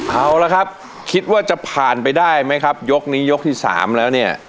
เอาละครับคิดว่าจะผ่านไปได้ไหมครับยกนี้ยกที่๓แล้วเนี่ย